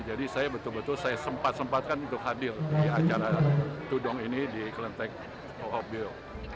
jadi saya betul betul saya sempat sempatkan untuk hadir di acara tudong ini di kelenteng liyok hokbyo